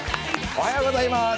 おはようございます。